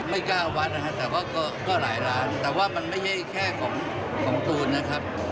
ไม่กล้าวัดนะฮะแต่ว่าก็หลายร้านแต่ว่ามันไม่ใช่แค่ของตูนนะครับ